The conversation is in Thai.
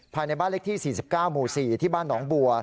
ภายในบ้านเลขที่๔๙หมู่๔ที่บ้านหนองบัว